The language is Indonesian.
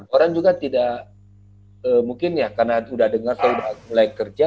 orang juga tidak mungkin ya karena sudah dengar saya sudah mulai kerja